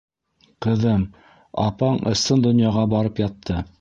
Ҡыҙым, апаң ысын донъяға барып ятты.